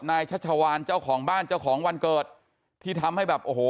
นายชะชะวานเธอของบ้านเธอของวันเกิดที่ทำให้แบบโอ้โห